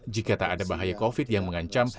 jika tak ada bahaya covid yang mengancam